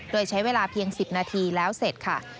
โดยใช้เวลาเพียง๑๐นาทีแล้วเสร็จค่ะ